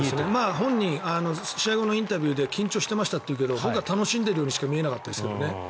本人は試合後のインタビューで緊張してましたって話してましたけど僕は楽しんでいるようにしか見えなかったですね。